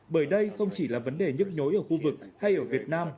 bởi đây không chỉ là vấn đề nhức nhối ở khu vực hay ở việt nam